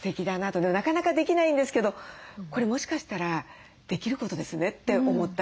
でもなかなかできないんですけどこれもしかしたらできることですねって思ったんです。